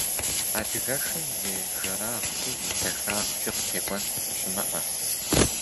Адыгэшым и жэрагъкӏи и дахагъкӏи къытекӏуэн щымыӏэ!